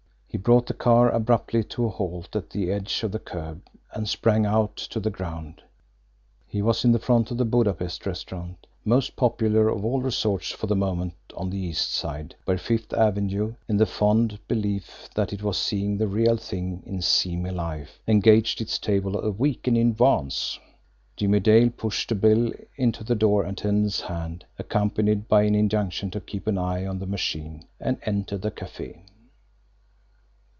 He brought the car abruptly to a halt at the edge of the curb, and sprang out to the ground. He was in front of "The Budapest" restaurant, a garish establishment, most popular of all resorts for the moment on the East Side, where Fifth Avenue, in the fond belief that it was seeing the real thing in "seamy" life, engaged its table a week in advance. Jimmie Dale pushed a bill into the door attendant's hand, accompanied by an injunction to keep an eye on the machine, and entered the cafe.